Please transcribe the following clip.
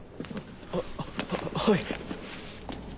あっはい。